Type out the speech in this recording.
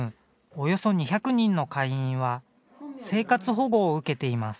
およそ２００人の会員は生活保護を受けています。